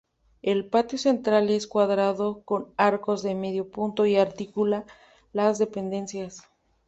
El patio central es cuadrado con arcos de medio punto y articula las dependencias.